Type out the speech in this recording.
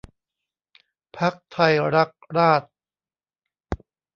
พรรคไทยรักราษฎร์